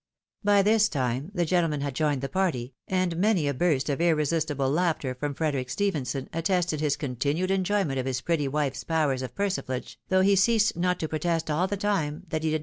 By this time the gentlemen had joined the party, aiid many a burst of irresistible laughter from Frederic Stephenson attested his continued enjoyment of his pretty wife's powers of persiflage, though he ceased not to protest all the time that he did.